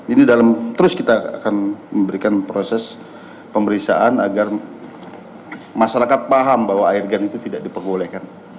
ini dalam terus kita akan memberikan proses pemeriksaan agar masyarakat paham bahwa airgun itu tidak diperbolehkan